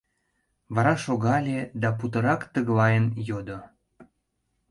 Вара шогале да путырак тыглайын йодо: